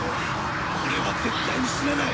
俺は絶対に死なない！